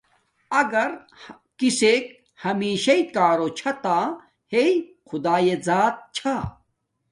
اگَر کݵسݵک ہمݵشݳئی کݳرݸ چھݳ تݳ ہݵئ خدݳیݺ ذݳت چھݳ.